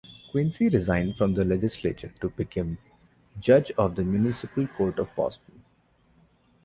Quincy resigned from the legislature to become judge of the municipal court of Boston.